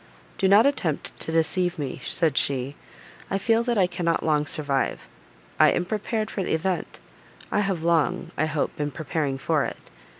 "Do not attempt to deceive me," said she, "I feel that I cannot long survive. I am prepared for the event, I have long, I hope, been preparing for it.